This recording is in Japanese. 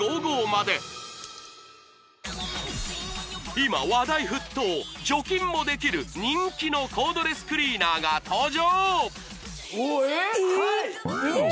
今話題沸騰除菌もできる人気のコードレスクリーナーが登場！